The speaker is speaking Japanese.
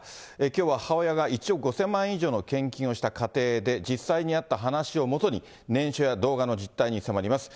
きょうは母親が１億５０００万円以上の献金をした家庭で、実際にあった話をもとに、念書や動画の実態に迫ります。